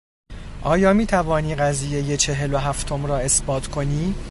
آیا میتوانی قضیهی چهل و هفتم را اثبات کنی؟